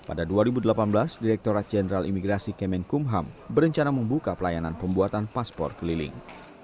untuk memudahkan pelayanan kantor imigrasi jakarta utara beberapa waktu lalu juga telah membuka pelayanan pembuatan paspor secara online